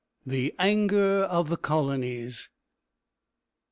THE ANGER OF THE COLONIES.